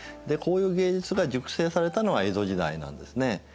でこういう芸術が熟成されたのは江戸時代なんですね。